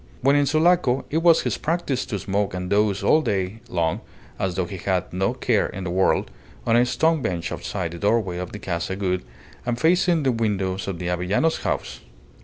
When in Sulaco it was his practice to smoke and doze all day long (as though he had no care in the world) on a stone bench outside the doorway of the Casa Gould and facing the windows of the Avellanos house.